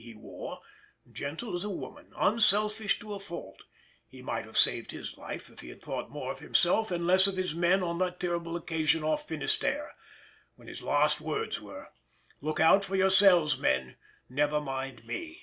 he wore, gentle as a woman, unselfish to a fault, he might have saved his life if he had thought more of himself and less of his men on that terrible occasion off Finisterre, when his last words were, "Look out for yourselves, men; never mind me."